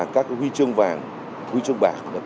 các huy chương vàng huy chương bạc